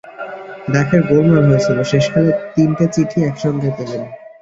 ডাকের গোলমাল হয়েছিল, শেষকালে তিনটে চিঠি একসঙ্গে পেলেন।